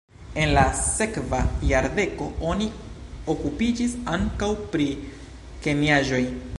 En la sekva jardeko oni okupiĝis ankaŭ pri kemiaĵoj.